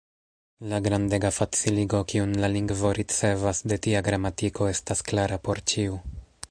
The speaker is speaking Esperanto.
La grandega faciligo, kiun la lingvo ricevas de tia gramatiko, estas klara por ĉiu.